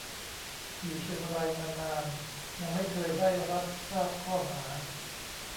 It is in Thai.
อยู่เชียงรายมานาน ยังไม่เคยได้รับทราบข้อหา